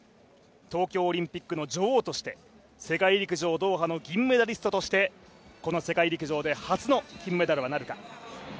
東京オリンピックの女王として世界陸上ドーハの銀メダリストとしてこの世界陸上で初の金メダルはあるか？